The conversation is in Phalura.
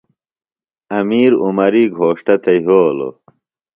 امیر عمری گھوݜٹہ تھےۡ یھولوۡ۔